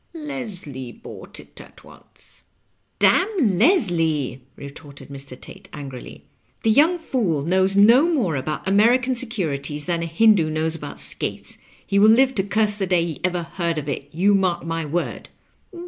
"Leslie bought it at once." "Damn Leslie !" retorted Mr. Tate, angrily. " The young fool knows no more about American Securities than a Hindoo kiiows about skates. He will live to curse the day he ever heard of it, you mark my word."